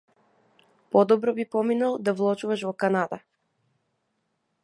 Подобро би поминал да вложуваш во Канада.